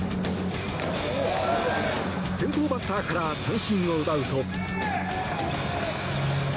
先頭バッターから三振を奪うと。